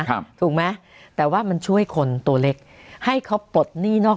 ถูกไหมแต่ว่ามันช่วยคนตัวเล็กให้เขาปลดหนี้นอก